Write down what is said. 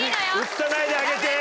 映さないであげて。